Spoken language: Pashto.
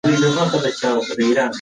دواړه اوږې یې پورته واچولې او روان شو.